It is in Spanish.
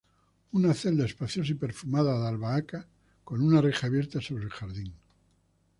una celda espaciosa y perfumada de albahaca, con una reja abierta sobre el jardín